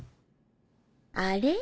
あれ？